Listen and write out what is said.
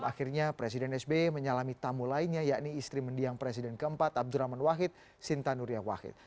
akhirnya presiden sbi menyalami tamu lainnya yakni istri mendiang presiden keempat abdurrahman wahid sinta nuria wahid